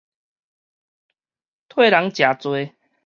替人食罪